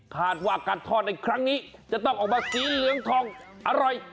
คาดว่าการทอดในครั้งนี้จะต้องออกมาสีเหลืองทองอร่อย